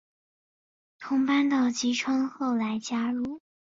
同班的吉川后来加入。